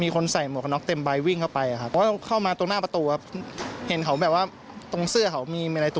กลัวตอนแรกผมคิดว่าเขาจะแทงกันด้วยครับ